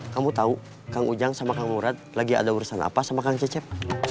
kamu tahu kang ujang sama kang murad lagi ada urusan apa sama kang cecep